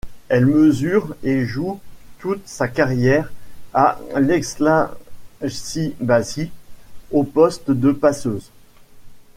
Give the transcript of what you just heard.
Elle mesure et joue toute sa carrière à l'Eczacıbaşı, au poste de passeuse.